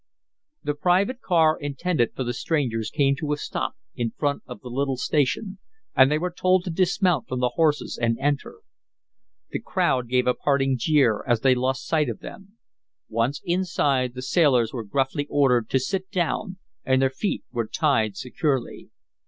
The "private car" intended for the strangers came to a stop in front of the little station, and they were told to dismount from the horses and enter. The crowd gave a parting jeer as they lost sight of them. Once inside the sailors were gruffly ordered to sit down, and their feet were tied securely.